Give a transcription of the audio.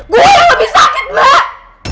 boleh yang lebih sakit mbak